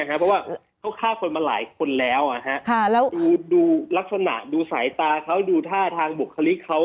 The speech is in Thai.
เพราะว่าเขาฆ่าคนมาหลายคนแล้วดูลักษณะดูสายตาเขาดูท่าทางบุคลิกเขา